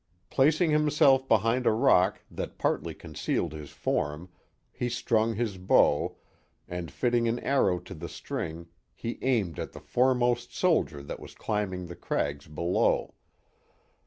Placing himself behind a rock that partly concealed his form, he strung his bow, and fitting an arrow to the string, he aimed at the foremost soldier that was climbing the crags be low.